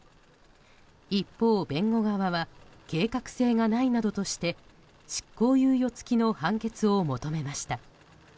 一方、弁護側は計画性がないなどとして執行猶予付きの判決を求めました。